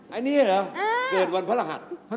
อันนี้เหรอเกิดวันพระรหัส